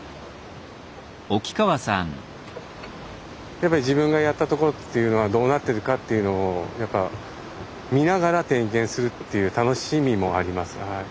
やっぱり自分がやった所っていうのはどうなってるかっていうのをやっぱ見ながら点検するっていう楽しみもあります。